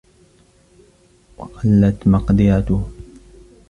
وَقَلَّتْ مَقْدِرَتُهُ